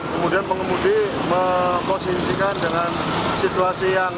kemudian pengemudi memposisikan dengan situasi yang